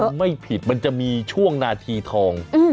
ไม่ผิดมันจะมีช่วงนาทีทอง